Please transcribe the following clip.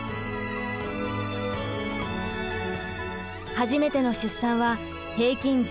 初めての出産は平均１２時間。